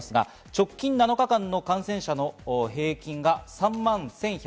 直近７日間の感染者の平均が３万１１５０人。